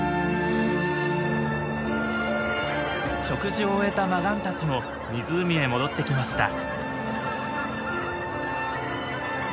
食事を終えたマガンたちも湖へ戻ってきました。